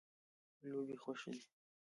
لوبې خوښې دي.